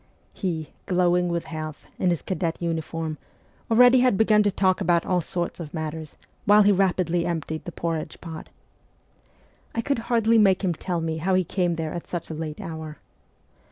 He, glowing with health, in his cadet uniform, already had begun to talk about all sorts of matters, while he rapidly emptied the porridge pot. I could hardly make him tell me how he came there at such a late hour.